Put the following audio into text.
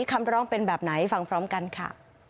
คำร้องเป็นแบบไหนฟังพร้อมกันค่ะ